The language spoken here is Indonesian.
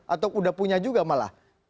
atau sudah punya juga malah